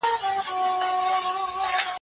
مشره زه يم کونه د دادا لو ده.